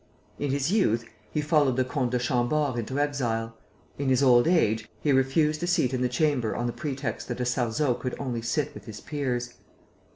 In his youth, he followed the Comte de Chambord into exile. In his old age, he refused a seat in the Chamber on the pretext that a Sarzeau could only sit with his peers.